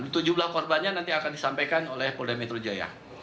tujuh belas korbannya nanti akan disampaikan oleh polda metro jaya